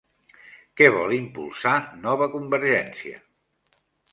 Què vol impulsar Nova Convergència?